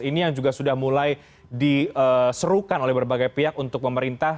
ini yang juga sudah mulai diserukan oleh berbagai pihak untuk pemerintah